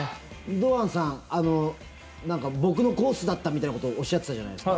堂安さん僕のコースだったみたいなことをおっしゃってたじゃないですか。